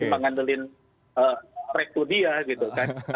jangan mengandalkan restu dia gitu kan